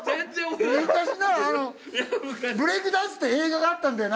昔な『ブレイクダンス』って映画があったんだよな。